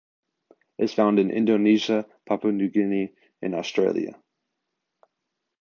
It’s found in Indonesia, Papua New Guinea and Australia.